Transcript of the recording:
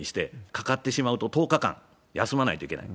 かかってしまうと１０日間休まないといけない。